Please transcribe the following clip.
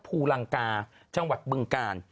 ภูลังกาจังหวัดเบื้องการ